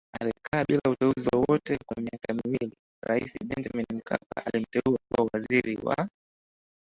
Alikaa bila uteuzi wowote kwa miaka miwili Rais Benjamin Mkapa alimteua kuwa Waziri wa